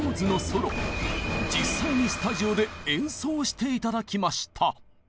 実際にスタジオで演奏して頂きました。